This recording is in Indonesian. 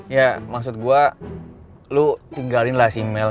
ya maksud gue lo tinggalin lah si mel